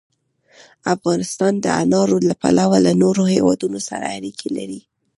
افغانستان د انارو له پلوه له نورو هېوادونو سره اړیکې لري.